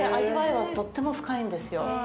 味わいはとっても深いんですよ。